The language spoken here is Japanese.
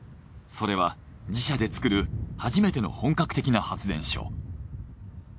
それは自社で造る初めての本格的な発電所。